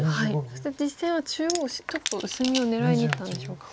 そして実戦は中央をちょっと薄みを狙いにいったんでしょうか。